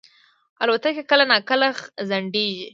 الوتکه کله ناکله ځنډېږي.